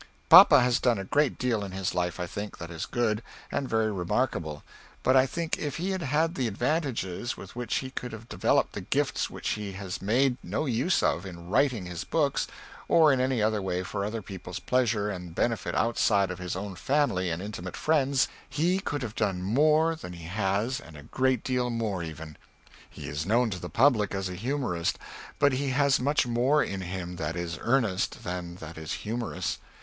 Papa has done a great deal in his life I think, that is good, and very remarkable, but I think if he had had the advantages with which he could have developed the gifts which he has made no use of in writing his books, or in any other way for other peoples pleasure and benefit outside of his own family and intimate friends, he could have done more than he has and a great deal more even. He is known to the public as a humorist, but he has much more in him that is earnest than that is humorous.